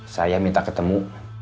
saya minta ketemu